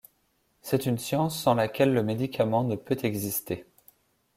C'est une science sans laquelle le médicament ne peut exister.